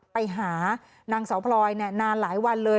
ไปหานางเสาพลอยนานหลายวันเลย